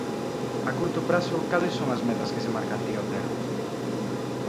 A curto prazo, cales son as metas que se marca Antía Otero?